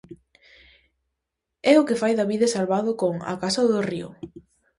É o que fai Davide Salvado con "A Casa do Río".